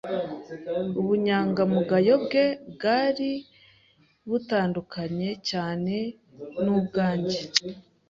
ubunyagamugayo bwe bwari butandukanye cyane n’ubwanjye